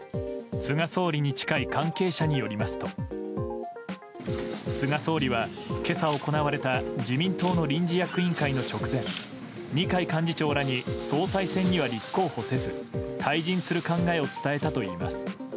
菅総理に近い関係者によりますと、菅総理はけさ行われた自民党の臨時役員会の直前、二階幹事長らに、総裁選には立候補せず、退陣する考えを伝えたといいます。